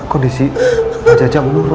kondisi pak jaja menurun